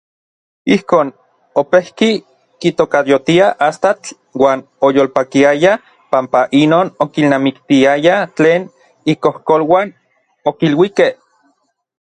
Ijkon, opejki kitokayotia Astatl uan oyolpakiaya panpa inon okilnamiktiaya tlen ikojkoluan okiluikej.